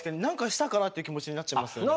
って気持ちになっちゃいますよね。